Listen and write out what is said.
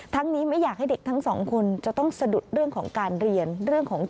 ทั้งนี้ไม่อยากให้เด็กทั้ง๒คนจะต้องสะดุดเรื่องของการเรียน